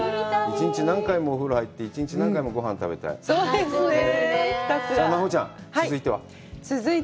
１日何回もお風呂入って、１日何回もごはんを食べたい。